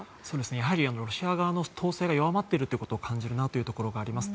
やはりロシア側の統制が弱まっているのを感じるなというところがあります。